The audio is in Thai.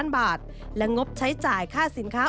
บาทและงบใช้จ่ายค่าสินค้า